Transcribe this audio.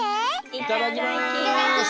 いただきます！